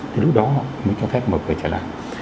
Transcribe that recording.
thì lúc đó họ mới cho phép mở cửa trở lại